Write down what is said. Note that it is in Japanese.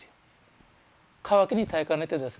渇きに耐えかねてですね